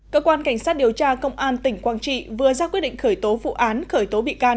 cơ quan cảnh sát điều tra công an tỉnh quảng trị vừa ra quyết định khởi tố vụ án khởi tố bị can